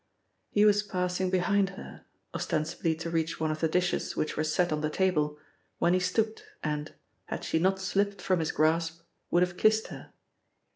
He was passing behind her, ostensibly to reach one of the dishes which were set on the table, when he stooped and, had she not slipped from his grasp, would have kissed her.